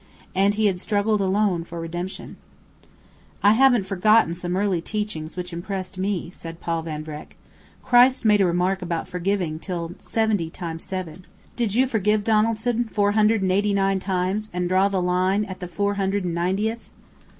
And he had struggled alone for redemption. "I haven't forgotten some early teachings which impressed me," said Paul Van Vreck. "Christ made a remark about forgiving till seventy times seven. Did you forgive Donaldson four hundred and eighty nine times, and draw the line at the four hundred and ninetieth?"